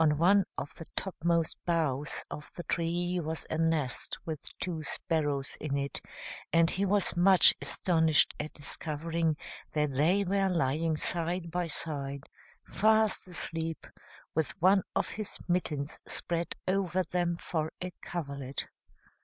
On one of the topmost boughs of the tree was a nest with two sparrows in it, and he was much astonished at discovering that they were lying side by side, fast asleep, with one of his mittens spread over them for a coverlet.